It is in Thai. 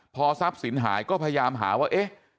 พอทรัพย์สินหายก็พยายามหาว่าเอ๊ะ